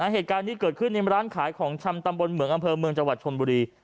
เหตุการณ์นี้เกิดขึ้นในร้านขายของชำตำบลเหมืองอำเภอเมืองจังหวัดชนบุรี